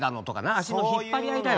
足の引っ張り合いだよ。